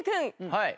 はい。